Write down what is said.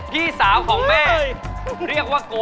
พี่สาวของแม่